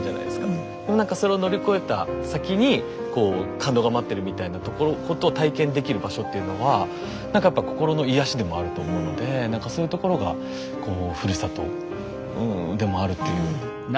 でも何かそれを乗り越えた先にこう感動が待ってるみたいなところことを体験できる場所っていうのは何かやっぱ心の癒やしでもあると思うので何かそういうところがこうふるさとでもあるっていう。